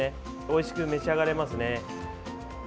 おいしく召し上がれますね。